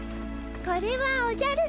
これはおじゃるさま。